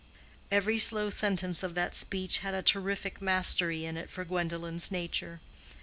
Every slow sentence of that speech had a terrific mastery in it for Gwendolen's nature.